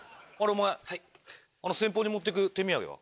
お前先方に持っていく手土産は？